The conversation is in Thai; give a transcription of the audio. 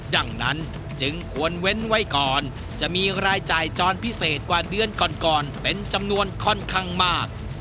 ดังนั้นจึงควรเว้นไว้ก่อนจะมีรายจ่ายจรพิเศษกว่าเดือนก่อนก่อนเป็นจำนวนค่อนข้างมาก